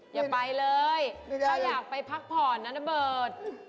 อย่าไปเลยถ้าอยากไปพักผ่อนนะนะเบิร์ต